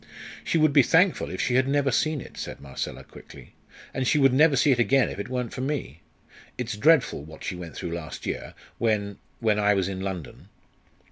"She would be thankful if she had never seen it," said Marcella, quickly "and she would never see it again if it weren't for me. It's dreadful what she went through last year, when when I was in London."